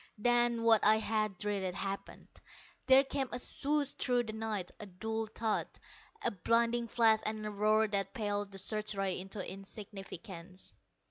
Then, what I had dreaded, happened. There came a swoosh through the night, a dull thud, a blinding flash and roar that paled the search rays into insignificance.